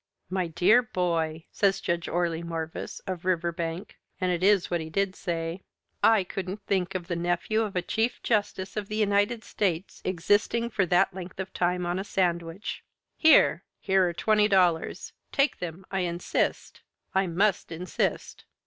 "My dear boy!" says Judge Orley Morvis, of Riverbank (and it is what he did say), "I couldn't think of the nephew of a Chief Justice of the United States existing for that length of time on a sandwich. Here! Here are twenty dollars! Take them I insist! I must insist!"